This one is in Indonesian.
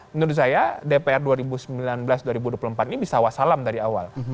menurut saya dpr dua ribu sembilan belas dua ribu dua puluh empat ini bisa wassalam dari awal